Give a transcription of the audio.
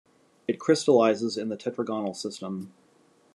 It crystallizes in the tetragonal system.